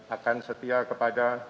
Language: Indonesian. akan setia kepada